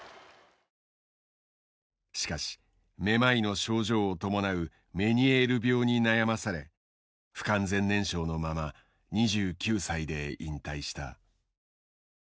しかしめまいの症状を伴うメニエール病に悩まされ不完全燃焼のまま２９歳で引退した。